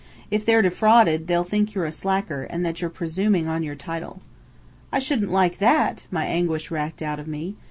If they're defrauded, they'll think you a slacker, and that you're presuming on your title." "I shouldn't like that!" my anguish racked out of me.